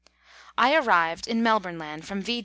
I arrived in Melbourne from V.